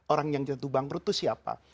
orang yang jatuh bangkrut itu siapa